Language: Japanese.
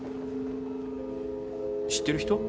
知ってる人？